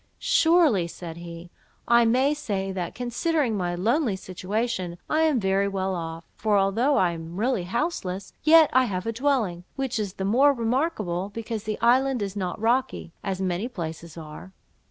—"Surely," said he, "I may say, that, considering my lonely situation, I am very well off; for although I am really houseless, yet I have a dwelling, which is the more remarkable, because the island is not rocky, as many places are.